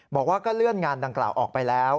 บอกว่าก็เลื่อนงานดังกล่าวออกไปแล้ว